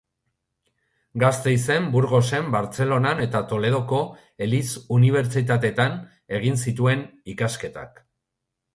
Gasteizen, Burgosen, Bartzelonan eta Toledoko eliz-unibertsitateetan egin zituen ikasketak.